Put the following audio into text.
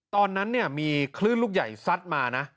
ตอนนั้นมีคลื่นลูกใหญ่ซัดมานะ